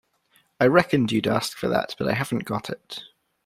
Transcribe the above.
I reckoned you’d ask for that, but I haven’t got it.